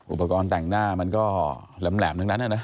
อุปกรณ์แต่งหน้ามันก็แหลมทั้งนั้น